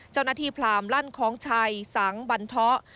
เจ้าหน้าที่พรามลั่นของชัยสังบรรเทาะ